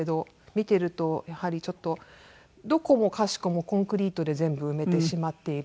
見ているとやはりちょっとどこもかしこもコンクリートで全部埋めてしまっている。